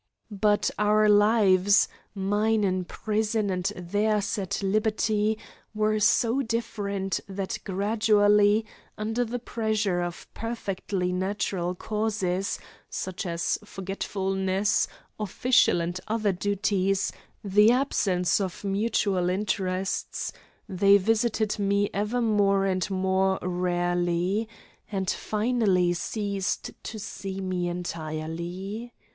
But our lives, mine in prison and theirs at liberty, were so different that gradually under the pressure of perfectly natural causes, such as forgetfulness, official and other duties, the absence of mutual interests, they visited me ever more and more rarely, and finally ceased to see me entirely.